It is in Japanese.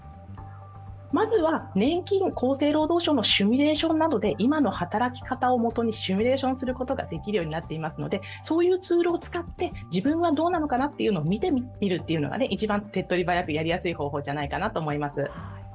まずは厚生労働省のシミュレーションなどで今の働き方をもとにシミュレーションすることができるようになっていますのでそういうツールを使って自分はどうなのかなと見てみるのが一番手っとり早くやりやすい方法じゃないかなと思います。